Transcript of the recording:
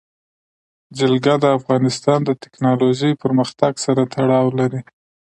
جلګه د افغانستان د تکنالوژۍ پرمختګ سره تړاو لري.